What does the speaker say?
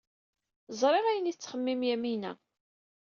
Ẓriɣ ayen ay tettxemmim Yamina.